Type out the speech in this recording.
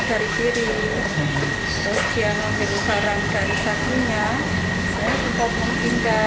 terus dia menghidupkan rangkari satunya